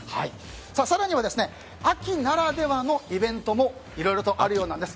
更には秋ならではのイベントもいろいろとあるようなんです。